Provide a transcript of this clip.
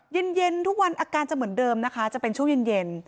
เย็นทุกวันอาการจะเหมือนเดิมนะคะจะเป็นช่วงเย็น